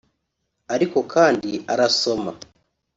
Ariko kandi arasoma